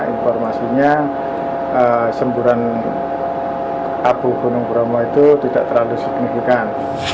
informasinya semburan abu gunung bromo itu tidak terlalu signifikan